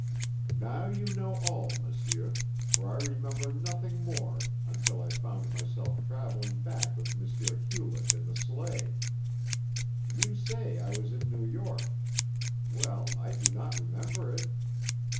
"Now you know all, monsieur, for I remember nothing more until I found myself travelling back with M. Hewlett in the sleigh. You say I was in New York. Well, I do not remember it.